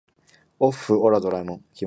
おっふオラドラえもん